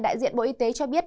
đại diện bộ y tế cho biết